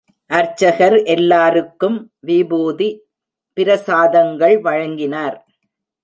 அர்ச்சகர் எல்லாருக்கும் விபூதி பிரசாதங்கள் வழங்கினார்.